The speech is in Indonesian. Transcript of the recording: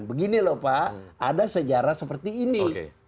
begini lho pak ada sejarah seperti ini